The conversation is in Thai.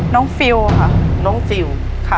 น้องฟิลค่ะ